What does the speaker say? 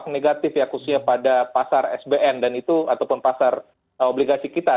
negatif ya khususnya pada pasar sbn dan itu ataupun pasar obligasi kita